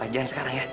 jangan sekarang ya